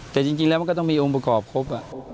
แต่จริงแล้วมันก็ต้องมีองค์ประกอบครบ